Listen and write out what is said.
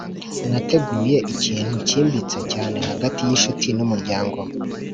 nateguye ikintu cyimbitse cyane hagati y’inshuti n’umuryango